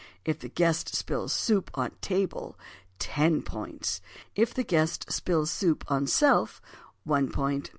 If the guest spills soup on table, 10 points. If the guest spills soup on self, 1 point.